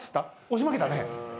押し負けたね。